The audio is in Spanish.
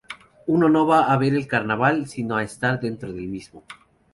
Uno no va a ver el carnaval, sino a estar dentro del mismo.